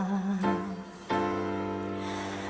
ใครที่เป็นโรงแรมที่สุดท้าย